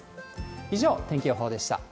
以上、天気予報でした。